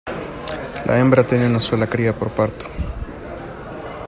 La hembra tiene una sola cría por parto.